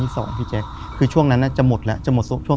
คือก่อนอื่นพี่แจ็คผมได้ตั้งชื่อเอาไว้ชื่อเอาไว้ชื่อเอาไว้ชื่อเอาไว้ชื่อ